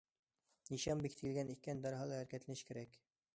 نىشان بېكىتىلگەن ئىكەن، دەرھال ھەرىكەتلىنىش كېرەك.